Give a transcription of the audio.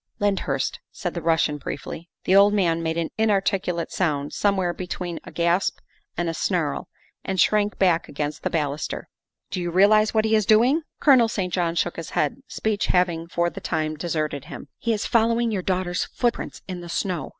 " Lyndhurst," said the Russian briefly. The old man made an inarticulate sound, somewhere between a gasp and a snarl, and shrank back against the baluster. " Do you realize what he is doing?" Colonel St. John shook his head, speech having for the time deserted him. " He is following your daughter's footprints in the snow.